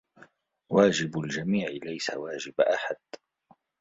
واجب الجميع ليس واجب أحد.